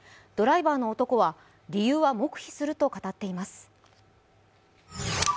ドライバーの男は、理由は黙秘すると語っています。